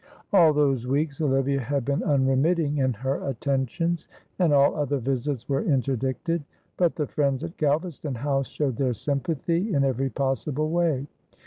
All those weeks Olivia had been unremitting in her attentions, and all other visits were interdicted; but the friends at Galvaston House showed their sympathy in every possible way.